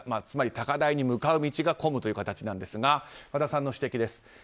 つまり、高台に向かう道が混むという形なんですが和田さんの指摘です。